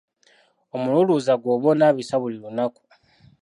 Omululuuza gwoba onaabisa buli lunaku.